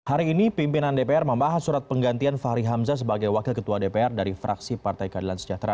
hari ini pimpinan dpr membahas surat penggantian fahri hamzah sebagai wakil ketua dpr dari fraksi partai keadilan sejahtera